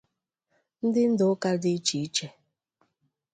ndị ndu ụka dị iche iche